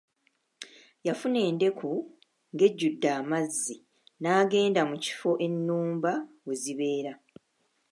Yafuna endeku ng'ejjudde amazzi n'agenda mu kifo ennumba we zibeera.